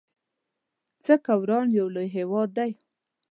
څه که وران يو لوی هيواد دی